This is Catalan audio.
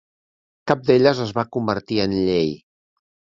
Cap d'elles es va convertir en llei.